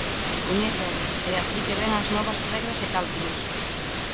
Coñeza e aplique ben as novas regras e cálculos.